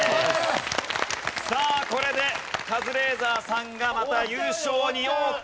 さあこれでカズレーザーさんがまた優勝に王手。